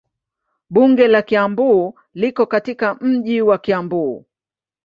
Bunge la Kiambu liko katika mji wa Kiambu.